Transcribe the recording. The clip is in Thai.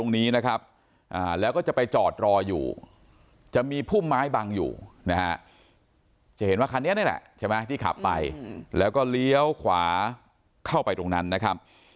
สีขาวสี่ประตูสครอสขับมานะฮะ